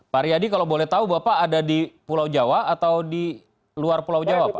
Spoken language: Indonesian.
pak riyadi kalau boleh tahu bapak ada di pulau jawa atau di luar pulau jawa pak